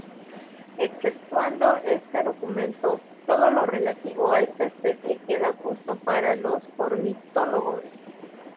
Exceptuando este documento, todo lo relativo a esta especie queda oculto para los ornitólogos.